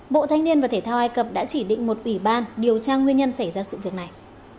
bộ thanh niên và thể thao ai cập đã chỉ định một ủy ban điều tra nguyên nhân xảy ra sự việc này